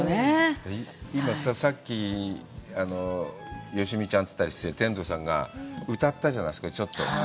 今、さっき、よしみちゃんって言ったら失礼、天童さんが歌ったじゃないですか、ちょっと。